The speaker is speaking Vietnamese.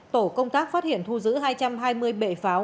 tổ công tác phát hiện thu giữ hai trăm hai mươi bệ pháo